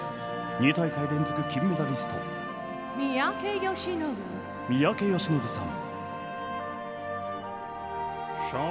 ２大会連続金メダリスト三宅義信さん。